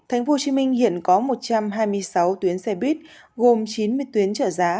thành phố hồ chí minh hiện có một trăm hai mươi sáu tuyến xe buýt gồm chín mươi tuyến